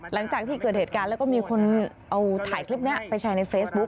หลังจากที่เกิดเหตุการณ์แล้วก็มีคนเอาถ่ายคลิปนี้ไปแชร์ในเฟซบุ๊ค